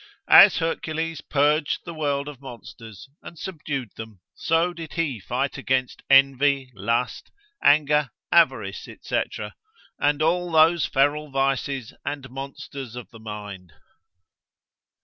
As Hercules purged the world of monsters, and subdued them, so did he fight against envy, lust, anger, avarice, &c. and all those feral vices and monsters of the mind.